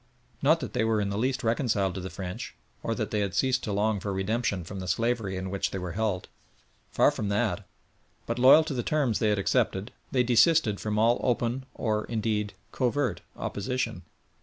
Not that they were in the least reconciled to the French, or that they had ceased to long for redemption from the slavery in which they were held. Far from that, but loyal to the terms they had accepted, they desisted from all open or, indeed, covert opposition.